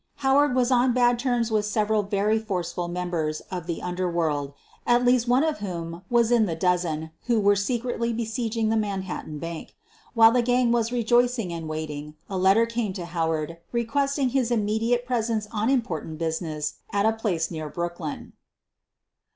Howard was on bad terms with several very force ful members of the underworld, at least one of whom was in the dozen who were secretly besieging the Manhattan Bank. While the gang was rejoicing and waiting, a letter came to Howard requesting his immediate presence on important business at a place near Brooklyn.